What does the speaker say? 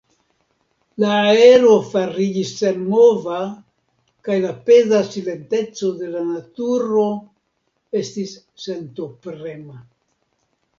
La aero fariĝis senmova, kaj la peza silenteco de la naturo estis sentoprema.